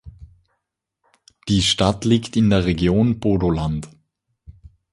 Die Stadt liegt in der Region Bodoland.